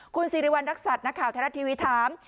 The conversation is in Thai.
คุณสิริวัณรักษัตริย์นักข่าวไทยรัฐทีวีถาม